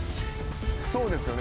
そうですよね。